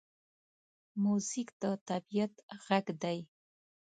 موزیک د طبعیت غږ دی.